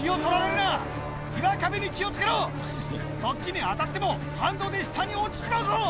そっちに当たっても反動で下に落ちちまうぞ！